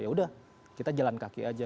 yaudah kita jalan kaki aja